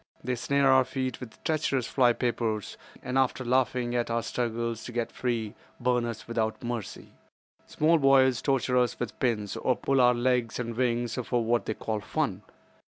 They snare our feet with treacherous fly papers, and after laughing at our struggles to get free, burn us without mercy. Small boys torture us with pins, or pull off legs and wings for what they call 'fun.